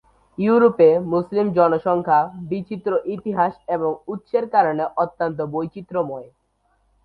ইউরোপের মুসলিম জনসংখ্যা বিচিত্র ইতিহাস এবং উৎসের কারণে অত্যন্ত বৈচিত্র্যময়।